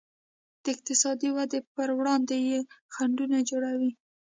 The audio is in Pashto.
د اقتصادي ودې پر وړاندې یې خنډونه جوړوي.